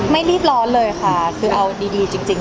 ไม่รีบร้อนเลยค่ะคือเอาดีจริง